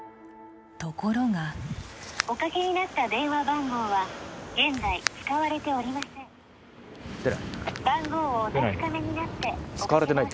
ところがおかけになった電話番号は現在使われていません出ない。